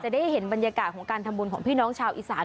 ได้เห็นบรรยากาศของการทำบุญของพี่น้องชาวอีสาน